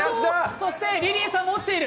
そしてリリーさんも落ちている。